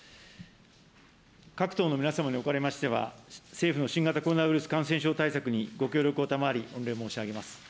各党の皆様におかれましては、政府の新型コロナウイルス感染症対策にご協力を賜り、御礼申し上げます。